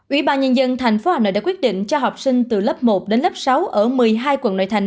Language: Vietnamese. ubnd tp hà nội đã quyết định cho học sinh từ lớp một đến lớp sáu ở một mươi hai quận nội thành